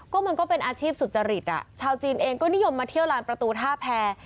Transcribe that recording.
ก็มันก็เป็นอาชีพสุจริตอ่ะชาวจีนเองก็นิยมมาเที่ยวลานประตูท่าแพร